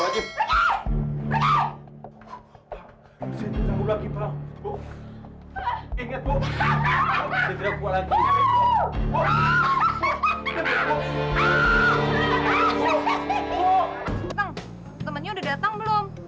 temannya udah datang belum